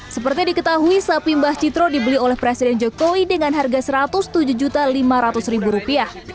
seperti diketahui sapi mbah citro dibeli oleh presiden jokowi dengan harga rp satu ratus tujuh lima ratus